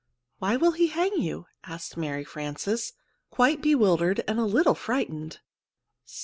"Why will he hang you?" asked Mary Frances, quite bewildered, and a little frightened.